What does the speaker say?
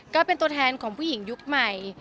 ก็เป็นตัวแทนของผู้หญิงยุคใหม่